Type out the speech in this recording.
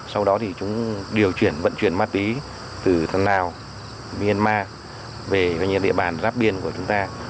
sau đó chúng điều chuyển vận chuyển ma túy từ lào nguyên ma về địa bàn ráp biên của chúng ta